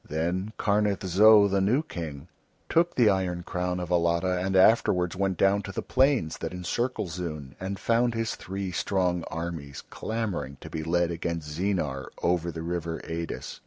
Then Karnith Zo, the new King, took the iron crown of Alatta and afterwards went down to the plains that encircle Zoon and found his three strong armies clamouring to be led against Zeenar, over the river Eidis.